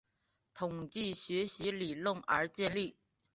统计学习理论而建立。